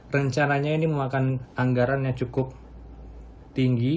rencananya ini memakan anggaran yang cukup tinggi